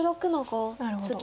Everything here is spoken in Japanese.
なるほど。